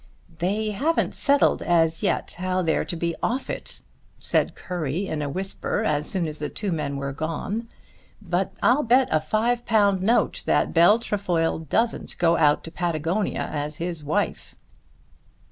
"They haven't settled as yet how they're to be off it," said Currie in a whisper, as soon as the two men were gone, "but I'll bet a five pound note that Bell Trefoil doesn't go out to Patagonia as his wife."